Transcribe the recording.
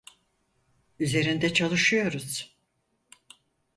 Üzerinde çalışıyoruz.